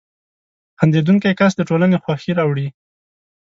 • خندېدونکی کس د ټولنې خوښي راوړي.